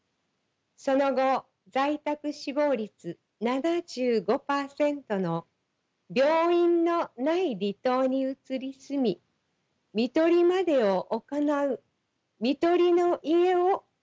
その後在宅死亡率７５％の病院のない離島に移り住み看取りまでを行う看取りの家を開設しました。